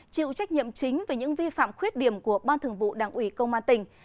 chịu trách nhiệm chính về những vi phạm khuyết điểm của ban thường vụ đảng ủy công an tỉnh